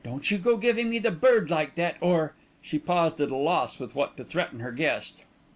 "Don't you go giving me the bird like that, or " She paused at a loss with what to threaten her guest.